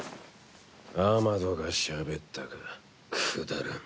アマドがしゃべったかくだらん。